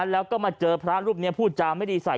แล้วก็มาเจอพระรูปนี้พูดจาไม่ดีใส่